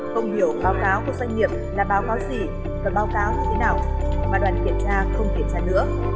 không hiểu báo cáo của doanh nghiệp là báo cáo gì và báo cáo như thế nào mà đoàn kiểm tra không kiểm tra nữa